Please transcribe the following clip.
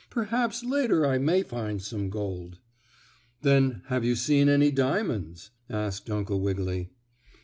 Perhaps later I may find some gold." "Then have you seen any diamonds?" asked Uncle Wiggily.